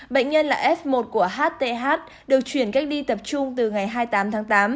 bệnh nhân là f một của hth được chuyển cách ly tập trung từ ngày hai mươi tám tháng tám